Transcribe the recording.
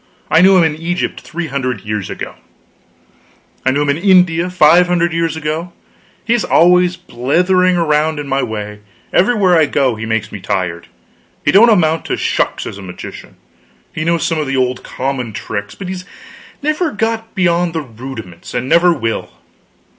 I knew him in Egypt three hundred years ago; I knew him in India five hundred years ago he is always blethering around in my way, everywhere I go; he makes me tired. He don't amount to shucks, as a magician; knows some of the old common tricks, but has never got beyond the rudiments, and never will.